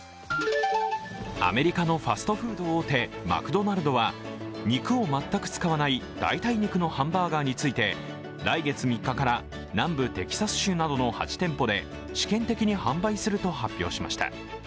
アメリカのファストフード大手マクドナルドは肉を全く使わない代替肉のハンバーガーについて来月３日から南部テキサス州などの８店舗で試験的に販売すると発表しました。